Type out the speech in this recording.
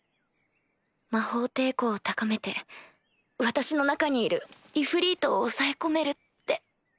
魔法抵抗を高めて私の中にいるイフリートを抑え込めるって。